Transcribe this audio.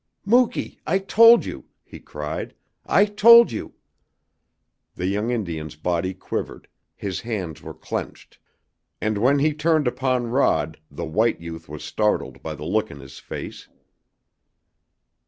"Muky, I told you!" he cried. "I told you!" The young Indian's body quivered, his hands were clenched, and when he turned upon Rod the white youth was startled by the look in his face.